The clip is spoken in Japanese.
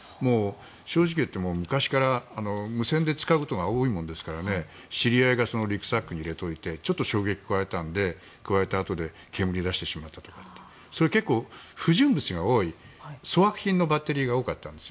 正直言って、昔から無線で使うことが多いですから知り合いがリュックサックに入れておいて衝撃を加えたあとに煙が出てしまったというそれは結構不純物が多い粗悪品のバッテリーが多かったんです。